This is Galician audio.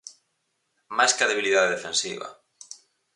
Máis que a debilidade defensiva.